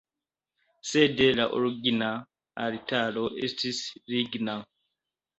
Sed la origina altaro estis ligna.